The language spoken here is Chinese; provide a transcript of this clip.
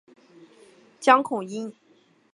江孔殷。